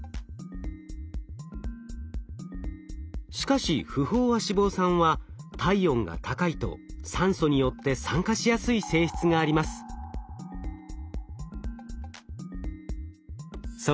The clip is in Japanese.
しかし不飽和脂肪酸は体温が高いと酸素によって酸化しやすい性質があります。